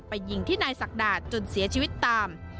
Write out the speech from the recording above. ยิงที่นายศักดาจนเสียชีวิตตาม